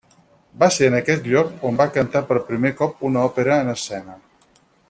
Va ser en aquest lloc on va cantar per primer cop una òpera en escena.